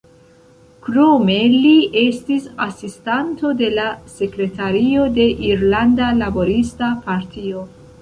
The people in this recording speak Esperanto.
Krome li estis asistanto de la sekretario de Irlanda Laborista Partio.